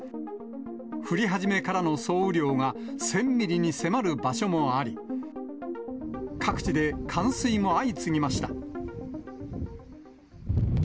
降り始めからの総雨量が１０００ミリに迫る場所もあり、各地で冠水も相次ぎました。